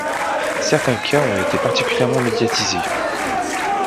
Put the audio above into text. Certains cas ont été particulièrement médiatisés.